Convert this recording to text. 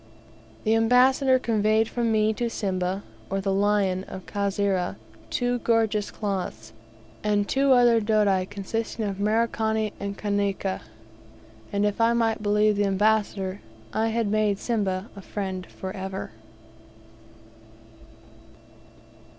The ambassador conveyed from me to Simba, or the "Lion" of Kasera, two gorgeous cloths, and two other doti consisting of Merikani and Kaniki; and, if I might believe the ambassador, I had made Simba a friend for ever.